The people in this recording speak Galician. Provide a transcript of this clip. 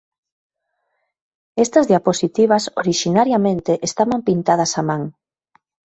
Estas diapositivas orixinariamente estaban pintadas a man.